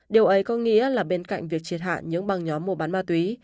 điều ấy có nghĩa là bên cạnh việc triệt hạn những băng nhóm mùa bắn ma túy